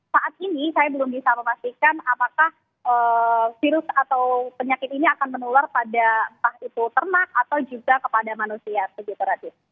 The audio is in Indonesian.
saat ini saya belum bisa memastikan apakah virus atau penyakit ini akan menular pada entah itu ternak atau juga kepada manusia begitu radit